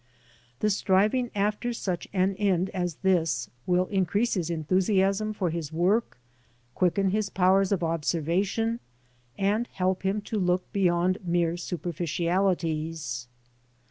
The striving after such an end as this will increase his enthusiasm for his work, quicken his powers of observation, and help him to look beyond mere super ficialities.